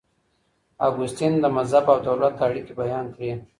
اګوستين د مذهب او دولت اړيکي بيان کړې.